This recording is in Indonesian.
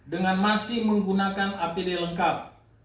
dengan masih menggunakan apd lengkap